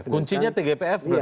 kuncinya tgpf berarti ya